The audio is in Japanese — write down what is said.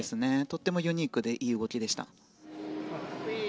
とてもユニークでいい動きでした。